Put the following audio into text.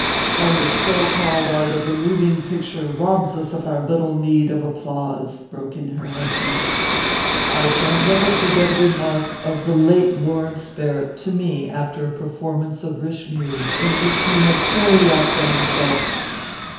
"And the so called art of the moving picture robs us of our little meed of applause," broke in her husband. "I shall never forget a remark of the late Lawrence Barrett to me after a performance of Richelieu in which he had fairly outdone himself.